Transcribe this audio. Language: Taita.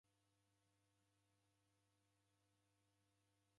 Redeka ni ndembe